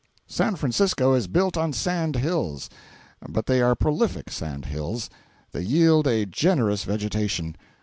San Francisco is built on sand hills, but they are prolific sand hills. They yield a generous vegetation.